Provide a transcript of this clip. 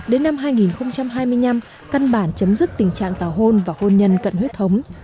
đến năm hai nghìn hai mươi năm căn bản chấm dứt tình trạng tàu hôn và hôn nhân cận huyết thống